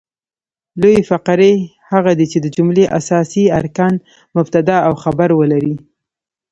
لویي فقرې هغه دي، چي د جملې اساسي ارکان مبتداء او خبر ولري.